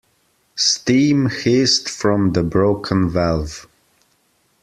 Steam hissed from the broken valve.